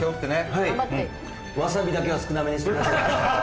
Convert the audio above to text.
はいわさびだけは少なめにしてください